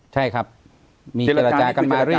ใช่ครับมีเจรจากันมาเรื่อย